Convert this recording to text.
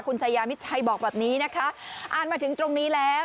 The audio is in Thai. คุณชายามิดชัยบอกแบบนี้นะคะอ่านมาถึงตรงนี้แล้ว